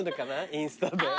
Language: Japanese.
インスタ。